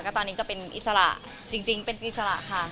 ตอนนี้ก็เป็นอิสระจริงเป็นอิสระค่ะ